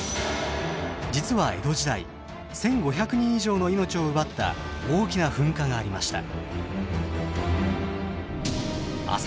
実は江戸時代１，５００人以上の命を奪った大きな噴火がありました。